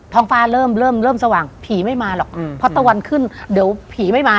ทองฟ้าเริ่มเริ่มเริ่มสว่างผีไม่มาหรอกอืมพอตะวันขึ้นเดี๋ยวผีไม่มา